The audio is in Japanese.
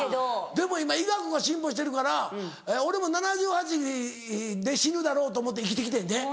でも今医学が進歩してるから俺も７８歳で死ぬだろうと思って生きて来てんで。